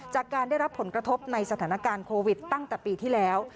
จากการได้รับผลกระทบในสถานการณ์โควิดตั้งแต่ปีที่แล้ว